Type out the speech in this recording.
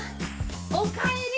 おかえり。